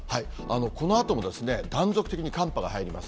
このあとも断続的に寒波が入ります。